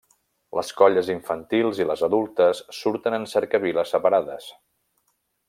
Les colles infantils i les adultes surten en cercaviles separades.